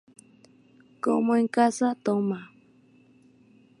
como en casa. toma.